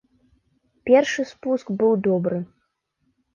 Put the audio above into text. Першы спуск быў добры.